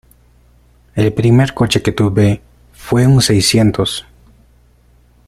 El primer coche que tuve fue un seiscientos.